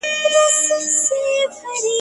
آیا ملاله د چوپان لور وه؟